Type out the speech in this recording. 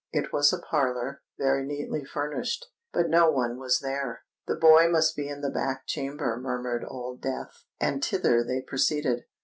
It was a parlour, very neatly furnished: but no one was there. "The boy must be in the back chamber," murmured Old Death; and thither they proceeded.